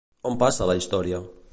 On passa la història?